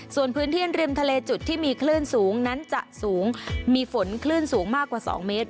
ส่วนพื้นที่ริมทะเลจุดที่มีคลื่นสูงนั้นจะสูงมีฝนคลื่นสูงมากกว่า๒เมตร